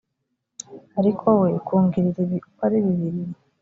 ariko we kungirira ibi uko ari bibiri